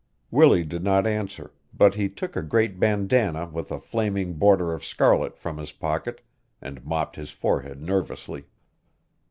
Willie did not answer, but he took a great bandanna with a flaming border of scarlet from his pocket and mopped his forehead nervously.